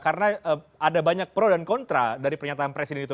karena ada banyak pro dan kontra dari pernyataan presiden itu